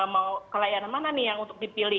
mau kelayanan mana nih yang untuk dipilih